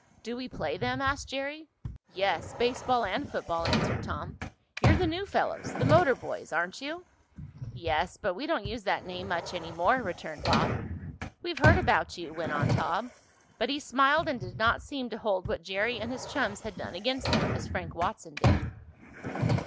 "Do we play them?" asked Jerry. "Yes, baseball and football," answered Tom. "You're the new fellows the motor boys aren't you?" "Yes, but we don't use that name much any more," returned Bob. "We've heard about you," went on Tom, but he smiled and did not seem to hold what Jerry and his chums had done against them, as Frank Watson did.